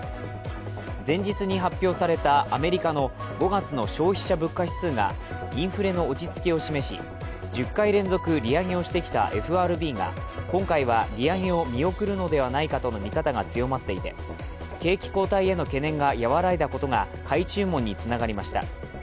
前日に発表されたアメリカの５月の消費者物価指数がインフレの落ち着きを示し１０回連続、利上げをしてきたＦＲＢが今回は利上げを見送るのではないかとの見方が強まっていて、景気後退への懸念が和らいだことが買い注文につながりました。